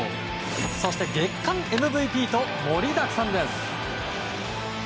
そして月間ＭＶＰと盛りだくさんです。